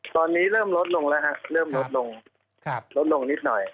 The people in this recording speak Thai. ตอนนี้เริ่มลดลงแล้วฮะเริ่มลดลงลดลงนิดหน่อย